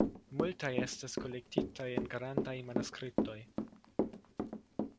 Multaj estis kolektitaj en grandaj manuskriptoj.